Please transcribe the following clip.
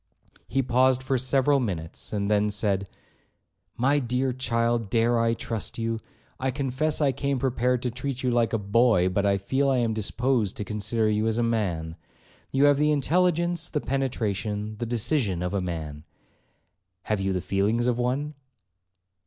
He paused for several minutes, and then said, 'My dear child, dare I trust you? I confess I came prepared to treat you like a boy, but I feel I am disposed to consider you as a man. You have the intelligence, the penetration, the decision of a man. Have you the feelings of one?'